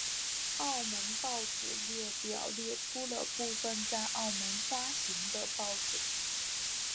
澳门报纸列表列出了部分在澳门发行的报纸。